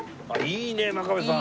いいね真壁さん！